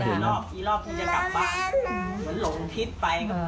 กี่รอบกูจะกลับบ้านเหมือนหลงพิษไป